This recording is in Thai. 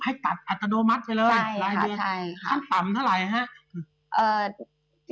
ให้ตัดอัตโนมัติไปเลยรายเดือนขั้นต่ำเท่าไหร่ฮะ